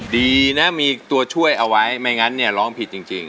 ดีนะมีตัวช่วยเอาไว้ไม่งั้นเนี่ยร้องผิดจริง